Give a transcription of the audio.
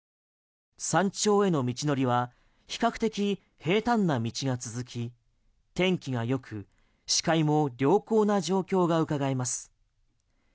山頂への道のりは比較的、平坦な道が続き天気が良く、視界も良好な状況がうかがえます。